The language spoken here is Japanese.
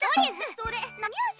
それ！